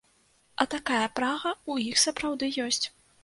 А такая прага ў іх сапраўды ёсць!